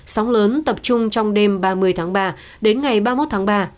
sóng lớn tập trung trong đêm ba mươi tháng ba đến ngày ba mươi một tháng ba